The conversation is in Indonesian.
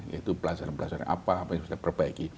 yaitu pelajaran pelajaran apa apa yang harus kita perbaiki